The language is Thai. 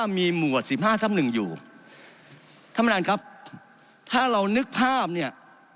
มีหมวด๑๕ทั้ง๑อยู่ถ้าเรานึกภาพเนี่ย